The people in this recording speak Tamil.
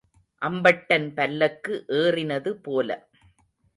அம்பட்டன் பல்லக்கு ஏறினது போல.